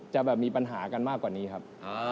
จะแบบมีปัญหากันมากกว่านี้ครับ